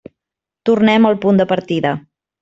Tornem al punt de partida.